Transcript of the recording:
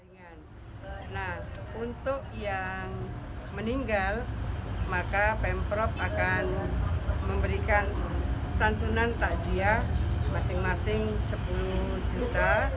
nah untuk yang meninggal maka pemprov akan memberikan santunan takziah masing masing sepuluh juta